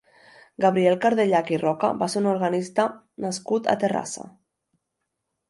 Gabriel Cardellach i Roca va ser un organista nascut a Terrassa.